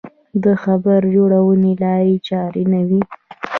د خبر جوړونې لارې چارې نه وې.